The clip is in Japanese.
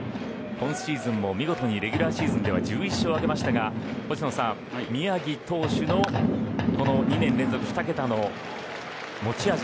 今シーズンも見事にレギュラーシーズンでは１１勝を挙げましたが星野さん、宮城投手の２年連続、２桁の持ち味